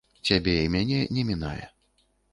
Цябе і мяне не мінае.